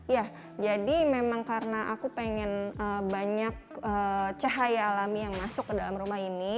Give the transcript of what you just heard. ya karena saya ingin banyak cahaya alami yang masuk ke dalam rumah ini